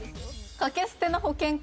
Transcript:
「掛け捨ての保険か！」